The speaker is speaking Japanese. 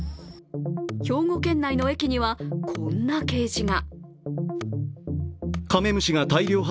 兵庫県内の駅には、こんな掲示が。